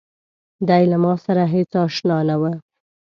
دی له ماسره هېڅ آشنا نه و.